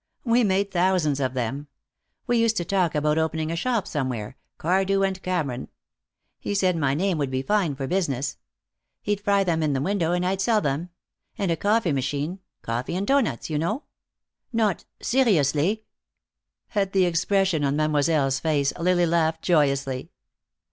We made thousands of them. We used to talk about opening a shop somewhere, Cardew and Cameron. He said my name would be fine for business. He'd fry them in the window, and I'd sell them. And a coffee machine coffee and doughnuts, you know." "Not seriously?" At the expression on Mademoiselle's face Lily laughed joyously.